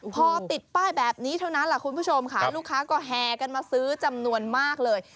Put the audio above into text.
พอติดป้ายแบบนี้เท่านั้นแหละคุณผู้ชมค่ะลูกค้าก็แห่กันมาซื้อจำนวนมากเลย